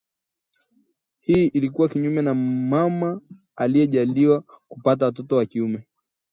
Hii ilikuwa kinyume na mama aliyejaliwa kupata watoto wa kiume